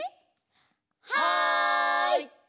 はい！